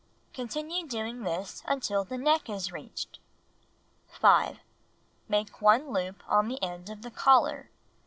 Continue doing this until the neck is reached. 5. Make 1 loop on the end of the collar.